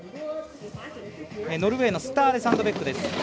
ノルウェーのスターレ・サンドベックです。